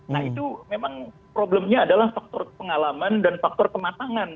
nah itu memang problemnya adalah faktor pengalaman dan faktor kematangan